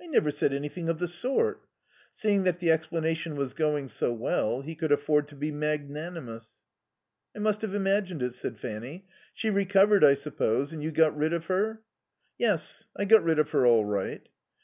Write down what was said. "I never said anything of the sort." Seeing that the explanation was going so well he could afford to be magnanimous. "I must have imagined it," said Fanny. "She recovered, I suppose, and you got rid of her?" "Yes, I got rid of her all right."